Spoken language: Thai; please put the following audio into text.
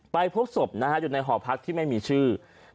พบศพอยู่ในหอพักที่ไม่มีชื่อ